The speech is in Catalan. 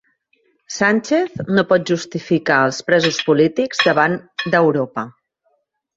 Sánchez no pot justificar els presos polítics davant d'Europa